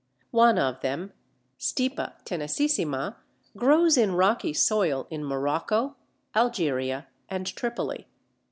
One of them, Stipa tenacissima, grows in rocky soil in Morocco, Algeria, and Tripoli.